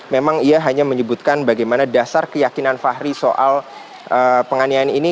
memang ia hanya menyebutkan bagaimana dasar keyakinan fahri soal penganiayaan ini